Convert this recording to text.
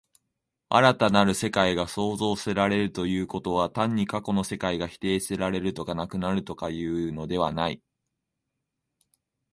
新たなる世界が創造せられるということは、単に過去の世界が否定せられるとか、なくなるとかいうのではない。